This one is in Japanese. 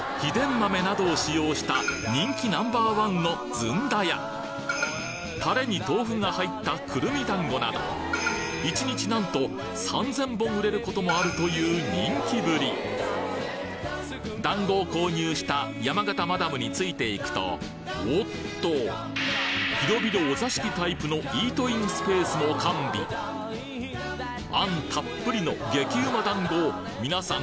豆などを使用した人気Ｎｏ．１のずんだやタレに豆腐が入ったくるみだんごなど１日なんと３０００本売れることもあるという人気ぶりだんごを購入した山形マダムについていくとおっと広々お座敷タイプのイートインスペースも完備餡たっぷりの激ウマだんごをみなさん